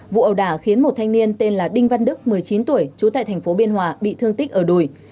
vụ ẩu đả khiến một thanh niên tên là đinh văn đức một mươi chín tuổi trú tại thành phố biên hòa bị thương tích ở đùi